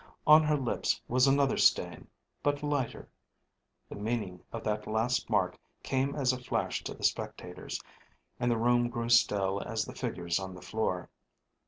On her lips was another stain, but lighter. The meaning of that last mark came as a flash to the spectators, and the room grew still as the figures on the floor.